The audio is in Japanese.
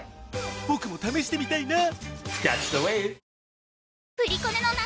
僕も試してみたいな！